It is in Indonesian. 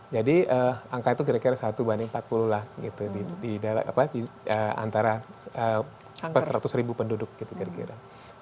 jadi angka itu kira kira satu banding empat puluh lah gitu di antara seratus ribu penduduk gitu kira kira